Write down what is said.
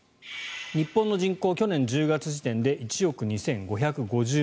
日本の人口去年１０月時点で１億２５５０万人。